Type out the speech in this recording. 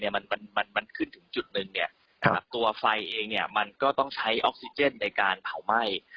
ในมันมันมันมันก็ถึงจุดนึงเนี่ยตัวไฟเองมันก็ต้องใช้ออกซิเจนในการเปล่าใหม่